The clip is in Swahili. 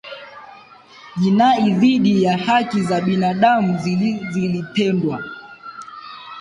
jinai dhidi ya haki za kibinadamu zilitendwa